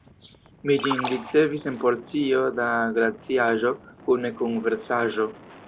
Mi ĝin ricevis en porcio da glaciaĵo kune kun versaĵo.